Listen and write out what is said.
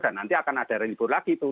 dan nanti akan ada hari libur lagi tuh